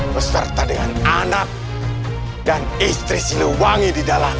beserta dengan anak dan istri siluwangi di dalam